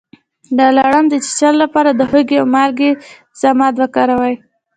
د لړم د چیچلو لپاره د هوږې او مالګې ضماد وکاروئ